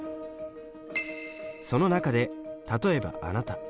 その中で例えばあなた。